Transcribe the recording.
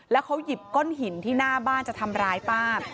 แล้วเขาหยิบก้อนหินที่หน้าบ้านจะทำร้ายป้า